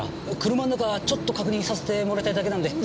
車の中ちょっと確認させてもらいたいだけなんで。